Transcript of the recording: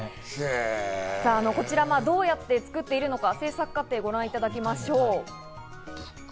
こちら、どうやって作っているのか、制作過程をご覧いただきましょう。